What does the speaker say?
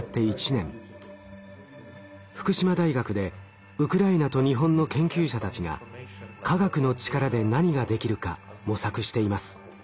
福島大学でウクライナと日本の研究者たちが科学の力で何ができるか模索しています。